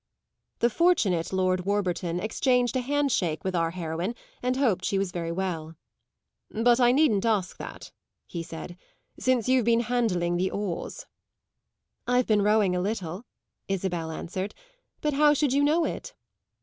The fortunate Lord Warburton exchanged a handshake with our heroine and hoped she was very well. "But I needn't ask that," he said, "since you've been handling the oars." "I've been rowing a little," Isabel answered; "but how should you know it?"